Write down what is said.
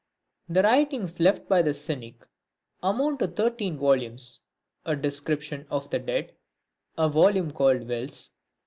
VI. The writings left by the Cynic amount to thirteen volumes ; a Description of the Dead ; a volume called Wills ; MENEDEMUS.